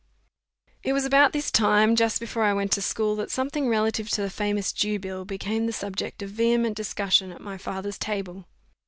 It was about this time, just before I went to school, that something relative to the famous Jew Bill became the subject of vehement discussion at my father's table.